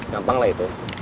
gampang lah itu